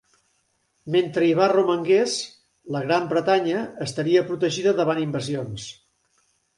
Mentre hi va romangués, la Gran Bretanya estaria protegida davant invasions.